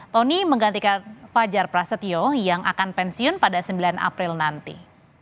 tony menggantikan fajar prasetyo yang akan pensiun pada sembilan april nanti